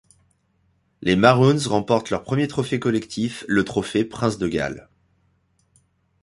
Les Maroons remportent leur premier trophée collectif, le trophée Prince de Galles.